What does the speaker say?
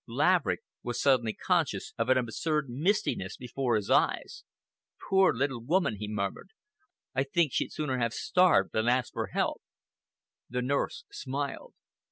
Laverick was suddenly conscious of an absurd mistiness before his eyes. "Poor little woman!" he murmured. "I think she'd sooner have starved than ask for help." The nurse smiled.